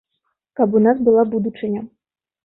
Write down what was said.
Каб у нас была будучыня.